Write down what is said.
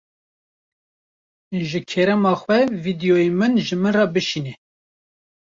Ji kerema xwe vîdyoyên min ji min re bişîne.